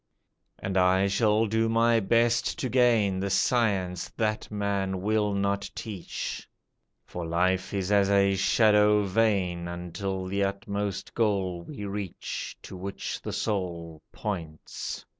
"And I shall do my best to gain The science that man will not teach, For life is as a shadow vain, Until the utmost goal we reach To which the soul points.